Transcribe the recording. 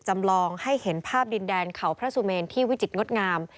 จำลองให้เห็นภาพดินแดนเขาพระสุเมนที่วิจิตรงดงาม